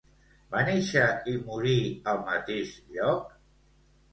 Va néixer i morir al mateix lloc?